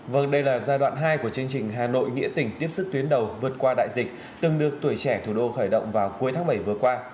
vâng đây là giai đoạn hai của chương trình hà nội nghĩa tỉnh tiếp sức tuyến đầu vượt qua đại dịch từng được tuổi trẻ thủ đô khởi động vào cuối tháng bảy vừa qua